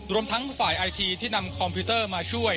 รวมทั้งฝ่ายไอทีที่นำคอมพิวเตอร์มาช่วย